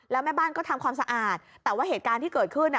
แล้วแม่บ้านก็ทำความสะอาดแต่ว่าเหตุการณ์ที่เกิดขึ้น